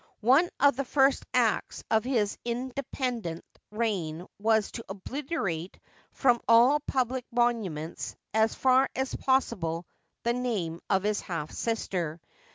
One of the first acts of his independ ent reign was to obliterate from all public monuments, as far as possible, the name of his half sister.